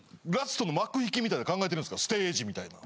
ステージみたいなの。